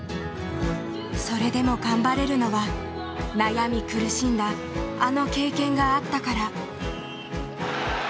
それでも頑張れるのは悩み苦しんだあの経験があったから。